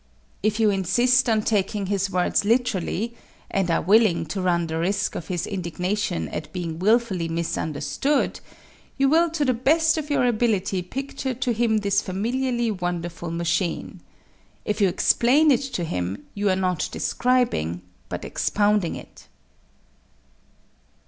If you insist on taking his words literally and are willing to run the risk of his indignation at being wilfully misunderstood you will to the best of your ability picture to him this familiarly wonderful machine. If you explain it to him, you are not describing but expounding it.